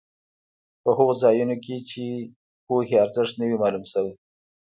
په هغو ځایونو کې چې پوهې ارزښت نه وي معلوم شوی.